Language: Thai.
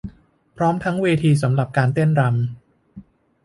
พร้อมทั้งเวทีสำหรับการเต้นรำ